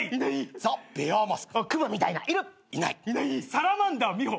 サラマンダーミホ。